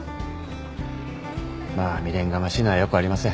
まあ未練がましいのは良くありません。